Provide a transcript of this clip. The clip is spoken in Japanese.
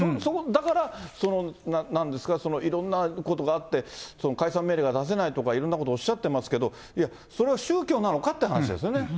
だから、なんですか、いろんなことがあって、解散命令が出せないとか、いろんなことおっしゃってますけど、いや、それは宗教なのかって話ですよね。